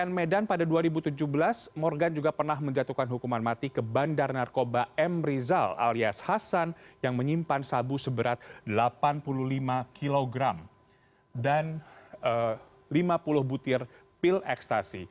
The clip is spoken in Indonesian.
dan medan pada dua ribu tujuh belas morgan juga pernah menjatuhkan hukuman mati ke bandar narkoba m rizal alias hasan yang menyimpan sabu seberat delapan puluh lima kg dan lima puluh butir pil ekstasi